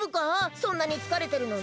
そんなにつかれてるのに？